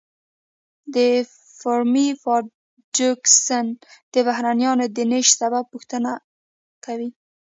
د فرمی پاراډوکس د بهرنیانو د نشت سبب پوښتنه کوي.